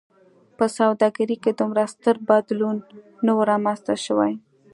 په سوداګرۍ کې دومره ستر بدلون نه و رامنځته شوی.